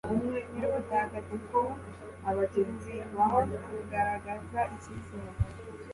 nyirubutagatifu, urubingo rugaragaza icyizere